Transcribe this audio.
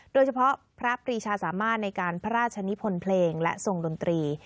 โดยเฉพาะพระปรีชาสามารถในการพระราชนิพลเพลงและทรงดนตรี